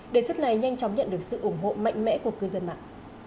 đề xuất này nhanh chóng nhận được sự ủng hộ mạnh mẽ của cư dân mạng